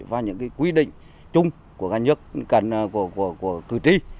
và những quy định chung của các nhân cân của cử tri